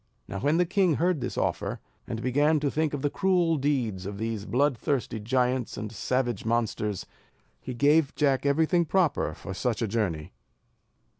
Now when the king heard this offer, and began to think of the cruel deeds of these blood thirsty giants and savage monsters, he gave Jack every thing proper for such a journey.